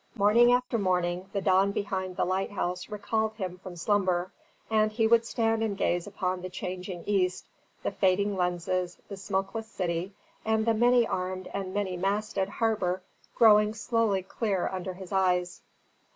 Morning after morning, the dawn behind the lighthouse recalled him from slumber; and he would stand and gaze upon the changing east, the fading lenses, the smokeless city, and the many armed and many masted harbour growing slowly clear under his eyes.